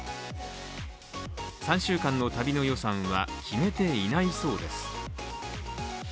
３週間の旅の予算は決めていないそうです。